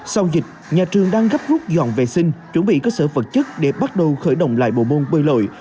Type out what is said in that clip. sau dịch nhà trường đang gấp rút dọn vệ sinh chuẩn bị cơ sở vật chất để bắt đầu khởi động lại bộ môn bơi lội